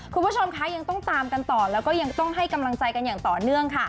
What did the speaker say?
คุณผู้ชมคะยังต้องตามกันต่อแล้วก็ยังต้องให้กำลังใจกันอย่างต่อเนื่องค่ะ